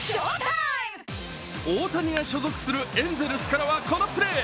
大谷が所属するエンゼルスからはこのプレー。